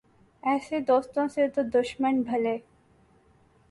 ایسے دوستو سے تو دشمن بھلے